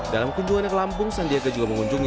dalam kunjungannya ke lampung sandiaga juga mengunjungi